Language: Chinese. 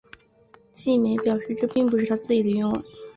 晋美表示这并不是他自己的愿望。